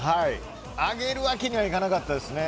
上げるわけにはいかなかったですね。